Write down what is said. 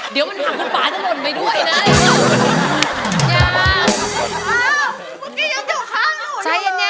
เดี๋ยวมันหังคุณฟ้าขนมนต์ไปด้วยนะ